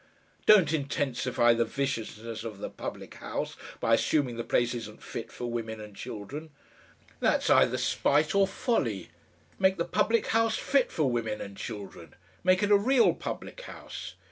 Don't intensify the viciousness of the public house by assuming the place isn't fit for women and children. That's either spite or folly. Make the public house FIT for women and children. Make it a real public house.